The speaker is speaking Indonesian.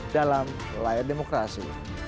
dalam layar demokrasi